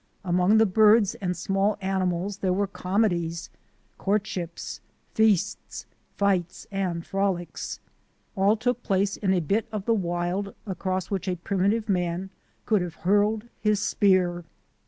Among the birds and small animals there were comedies, courtships, feasts, fights, and frolics. All took place in a bit of the wild across which a primitive man could have hurled his spear.